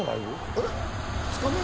えっ２日目？